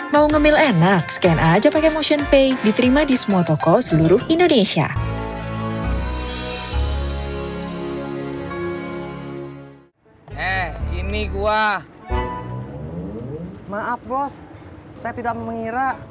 mau ngambil enak scan aja pake motionpay diterima di semua toko seluruh indonesia